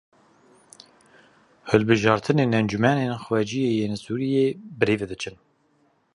Hilbijartinên encûmenên xwecihî yên Sûriyeyê birêve diçin.